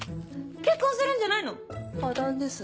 結婚するんじゃないの⁉破談です